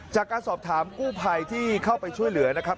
จากการสอบถามกู้ภัยที่เข้าไปช่วยเหลือนะครับ